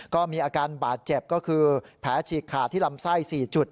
ก็มีอาการบาดเจ็บก็คือแผลฉีกขาดที่ลำไส้๔จุด